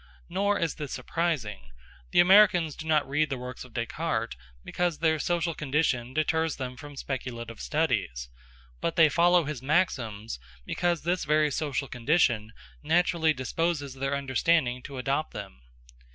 Nor is this surprising. The Americans do not read the works of Descartes, because their social condition deters them from speculative studies; but they follow his maxims because this very social condition naturally disposes their understanding to adopt them.